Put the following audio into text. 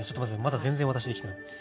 まだ全然私できてない。